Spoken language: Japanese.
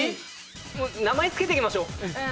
名前付けていきましょう。